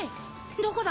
どこだ？